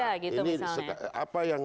ada gitu misalnya